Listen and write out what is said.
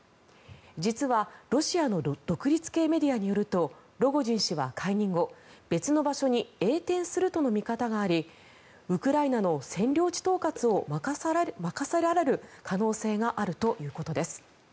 実はロシアの独立系メディアによるとロゴジン氏は解任後別の場所に栄転するとの見方がありウクライナの占領地統括を任せられる可能性があるということです。